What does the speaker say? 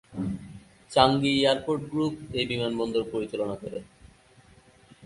চাঙ্গি airport group এই বিমানবন্দর পরিচালনা করে।